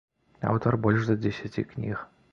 Аўтар больш за дзесяці кніг.